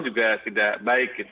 juga tidak baik